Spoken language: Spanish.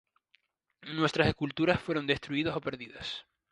Muchas esculturas fueron destruidas o perdidas.